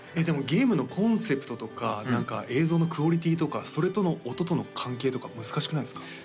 でもゲームのコンセプトとか何か映像のクオリティーとかそれとの音との関係とか難しくないですか？